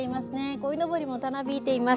こいのぼりもたなびいています。